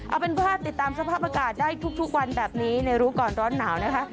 เอาเป็นว่าติดตามสภาพอากาศได้ทุกวันแบบนี้ในรู้ก่อนร้อนหนาวนะคะ